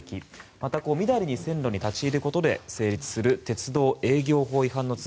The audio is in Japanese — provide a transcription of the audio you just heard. またみだりに線路に立ち入ることで成立する鉄道営業法違反の罪